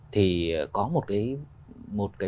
thì có một cái